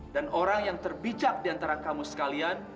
dan orang yang terbijak diantara kamu sekalian